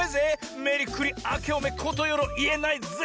「メリクリ」「あけおめ」「ことよろ」いえないぜ！